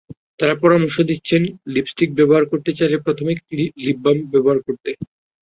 তাঁরা পরামর্শ দিচ্ছেন, লিপস্টিক ব্যবহার করতে চাইলে প্রথমে লিপ বাম ব্যবহারে করতে।